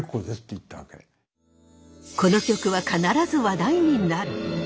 この曲は必ず話題になる。